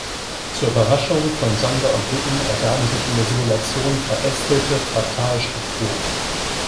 Zur Überraschung von Sander und Witten ergaben sich in der Simulation verästelte, fraktale Strukturen.